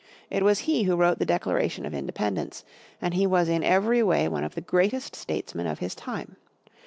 It was he who wrote the Declaration of Independence, and he was in every way one of the greatest statesmen of his time.